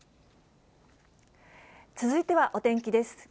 続いてはお天気です。